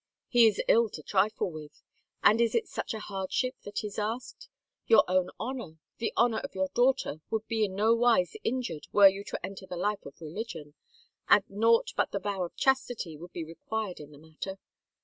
He is ill to trifle with. And is it such a hardship that is asked? Your own honor, the honor of your daughter, would be in no wise injured were you to enter the life of religion, and naught but the vow of chastity would be required in the matter.